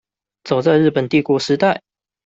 早在日本帝國時代